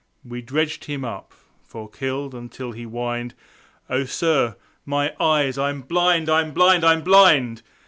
We dredged him up, for killed, until he whined "O sir, my eyes I'm blind I'm blind, I'm blind!"